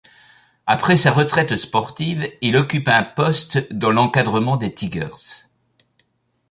Après sa retraite sportive, il occupe un poste dans l'encadrement des Tigers.